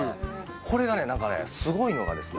これがね何かねすごいのがですね